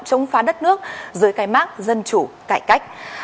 chống phá đất nước dưới cái mát dân chủ cải cách